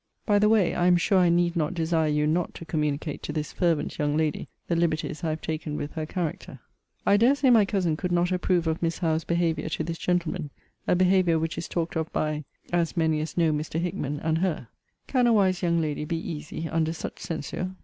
By the way, I am sure I need not desire you not to communicate to this fervent young lady the liberties I have taken with her character. I dare say my cousin could not approve of Miss Howe's behaviour to this gentleman; a behaviour which is talked of by as many as know Mr. Hickman and her. Can a wise young lady be easy under such censure?